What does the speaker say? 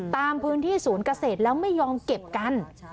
ตามพื้นที่ศูนย์เกษตรแล้วไม่ยอมเก็บกัน